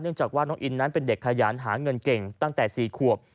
จากว่าน้องอินนั้นเป็นเด็กขยันหาเงินเก่งตั้งแต่๔ขวบ